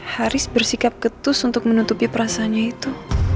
haris bersikap ketus untuk menutupi perasaannya itu